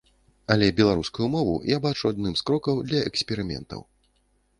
Але беларускую мову я бачу адным з крокаў для эксперыментаў.